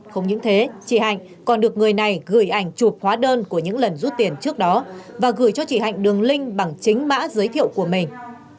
không những thế chị hạnh còn được người này gửi ảnh chụp hóa đơn của những lần rút tiền trước đó và gửi cho chị hạnh đường link bằng chính mã giới thiệu của mình